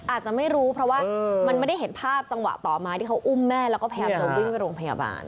อาจจะไม่รู้เพราะว่ามันไม่ได้เห็นภาพจังหวะต่อมาที่เขาอุ้มแม่แล้วก็พยายามจะวิ่งไปโรงพยาบาล